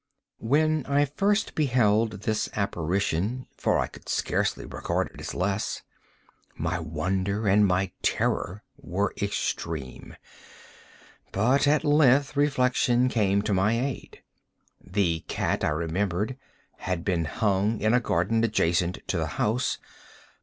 When I first beheld this apparition—for I could scarcely regard it as less—my wonder and my terror were extreme. But at length reflection came to my aid. The cat, I remembered, had been hung in a garden adjacent to the house.